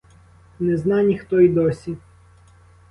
Не зна ніхто й досі.